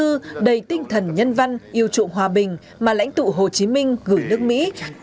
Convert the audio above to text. bức thư đầy tinh thần nhân văn yêu trụng hòa bình mà lãnh tụ hồ chí minh gửi nước mỹ